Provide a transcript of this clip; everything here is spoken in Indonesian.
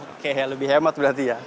oke lebih hemat berarti ya